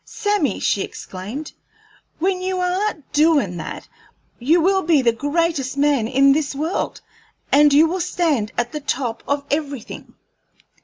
"Sammy," she exclaimed, "when you are doin' that, you will be the greatest man in this world, and you will stand at the top of everything."